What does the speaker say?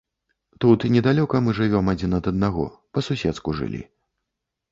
Тут недалёка мы жывём адзін ад аднаго, па-суседску жылі.